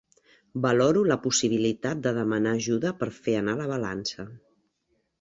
Valoro la possibilitat de demanar ajuda per fer anar la balança.